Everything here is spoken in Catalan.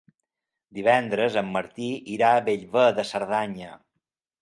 Divendres en Martí irà a Bellver de Cerdanya.